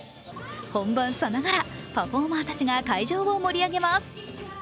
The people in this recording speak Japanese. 本番さながらパフォーマーたちが会場を盛り上げます。